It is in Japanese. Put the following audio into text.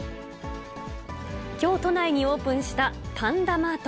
きょう都内にオープンしたパンダマート。